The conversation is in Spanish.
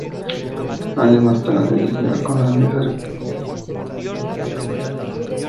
Años más tarde, y ya como holandesa, repitió metal en Atenas.